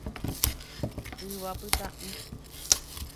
Yvapytã'i